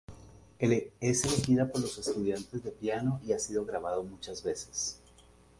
Es elegida por los estudiantes de piano, y ha sido grabado muchas veces.